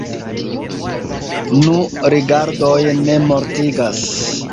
Nu, rigardoj ne mortigas.